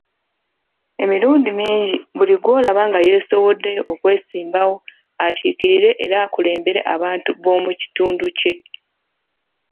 Emirundi mingi buli gwolaba nga yeesowoddeyo okwesimbawo akiikirire era akulembere abantu b'omukitundu kye.